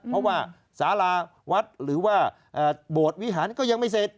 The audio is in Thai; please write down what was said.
เพราะว่าสาราวัดหรือว่าโบสถ์วิหารก็ยังไม่เสร็จ